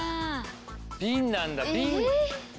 瓶なんだ。